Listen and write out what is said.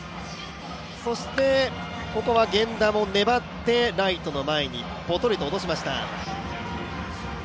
そして、ここは源田も粘ってライトの前に、ぽとりと落としました。